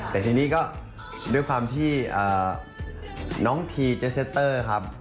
แต่ทีนี้ก็ด้วยความที่น้องทีเจสเซตเตอร์ครับ